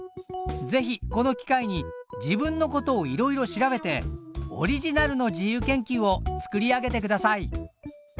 ぜひこの機会に自分のことをいろいろ調べてオリジナルの自由研究を作り上げてください！